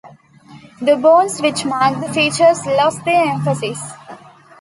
The bones which mark the features lose their emphasis.